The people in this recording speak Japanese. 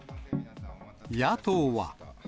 野党は。